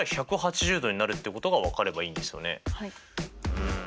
うん。